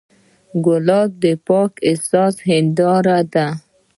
ګلاب د پاک احساس هنداره ده.